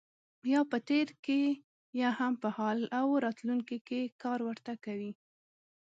یا په تېر کې یا هم په حال او راتلونکي کې کار ورته کوي.